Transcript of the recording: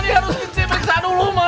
ini harus diperiksa dulu mak